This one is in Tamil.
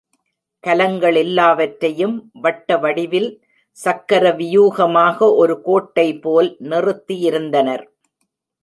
கலங்களெல்லாவற்றையும் வட்டவடிவில் சக்கரவியூகமாக ஒரு கோட்டைபோல் நிறுத்தியிருந்தனர்.